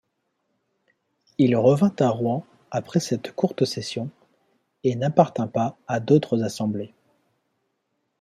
Il revint à Rouen après cette courte session, et n'appartint pas a d'autres assemblées.